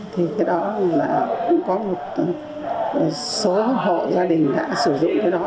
thì cái đó là cũng có một số hộ gia đình đã sử dụng cái đó